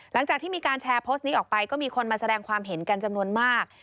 หลังจากที่มีการแชร์โพสต์นี้ออกไปก็มีคนมาแสดงความเห็นกันจำนวนมาก